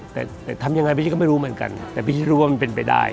แต่ทำยังไงพี่ก็ไม่รู้เหมือนกันแต่พี่รู้ว่ามันเป็นไปได้